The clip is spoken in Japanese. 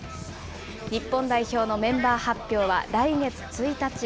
日本代表のメンバー発表は、来月１日。